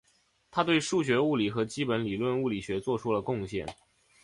他对数学物理和基本理论物理学做出了贡献。